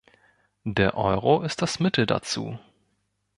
Der Euro ist das Mittel dazu.